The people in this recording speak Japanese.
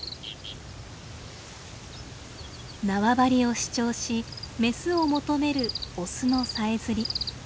縄張りを主張しメスを求めるオスのさえずり。